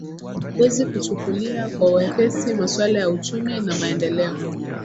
wezi kuchukulia kwa wepesi maswala ya uchumi na maendeleo